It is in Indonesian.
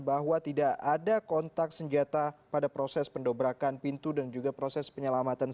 bahwa tidak ada kontak senjata pada proses pendobrakan pintu dan juga proses penyelamatan